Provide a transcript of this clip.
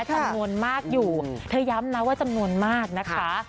จำนวนมากอยู่เธอย้ำนะว่าจำนวนมากนะคะ